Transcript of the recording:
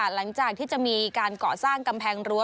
หลังจากที่จะมีการก่อสร้างกำแพงรั้